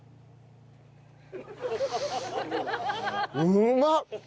うまっ！